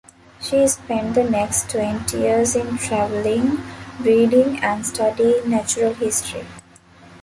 She spent the next twenty years in traveling, reading and studying natural history.